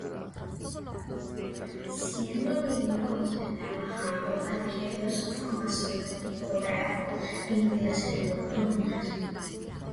Siendo niño y ya trabajando, adquirió su formación de tipógrafo en clases nocturnas.